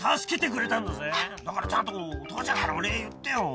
だからちゃんと父ちゃんからも礼言ってよ